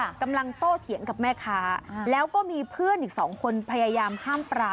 กำลังโต้เถียงกับแม่ค้าแล้วก็มีเพื่อนอีกสองคนพยายามห้ามปราม